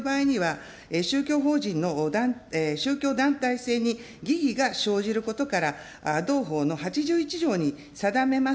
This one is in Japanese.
なお法人格が悪用される場合には、宗教法人の宗教団体性に疑義が生じることから、同法の８１条に定めます